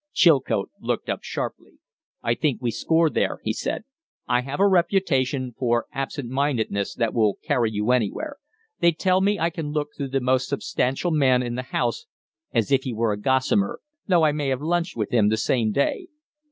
Chilcote looked up sharply. "I think we score there," he said. "I have a reputation for absent mindedness that will carry you anywhere. They tell me I can look through the most substantial man in the House as if he were gossamer, though I may have lunched with him the same day."